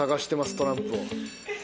トランプを。